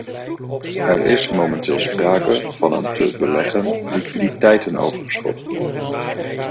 Er is momenteel sprake van een te beleggen liquiditeitenoverschot.